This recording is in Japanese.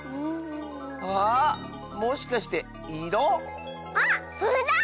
ああっもしかしていろ⁉あっそれだ！